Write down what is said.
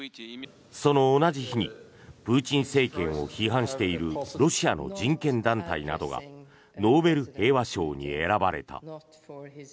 その同じ日にプーチン政権を批判しているロシアの人権団体などがノーベル平和賞に選ばれた。